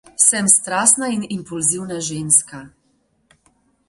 Sem strastna in impulzivna ženska.